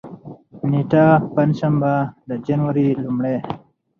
نېټه: پنجشنبه، د جنوري لومړۍ